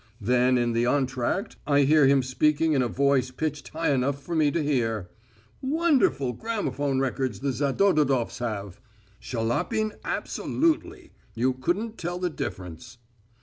Then, in the entr'act, I hear him speaking in a voice pitched high enough for me to hear: "Wonderful gramophone records the Zadodadofs have. Shalapin absolutely. You couldn't tell the difference."